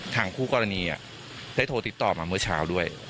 คู่กรณีได้โทรติดต่อมาเมื่อเช้าด้วย